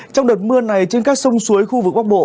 trong đợt mưa này trên các sông suối khu vực bắc bộ